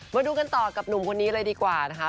มาดูกันต่อกับหนุ่มคนนี้เลยดีกว่านะคะ